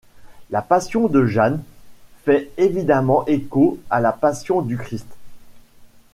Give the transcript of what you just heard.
La passion de Jeanne fait évidemment écho à la Passion du Christ.